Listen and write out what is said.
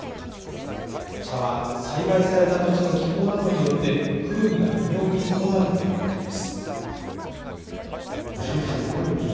茶は栽培された土地の気候などによって、風味が微妙に異なるということです。